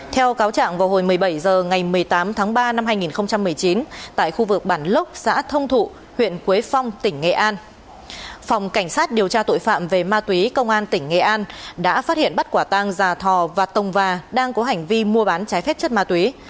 theo cáo trạng vào hồi một mươi bảy h ngày một mươi tám tháng ba năm hai nghìn một mươi chín tại khu vực bản lốc xã thông thụ huyện quế phong tỉnh nghệ an phòng cảnh sát điều tra tội phạm về ma túy công an tỉnh nghệ an đã phát hiện bắt quả tang già thò và tồng và đang có hành vi mua bán trái phép chất ma túy